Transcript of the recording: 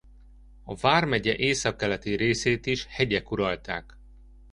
A vármegye északkeleti részét is hegyek uralták.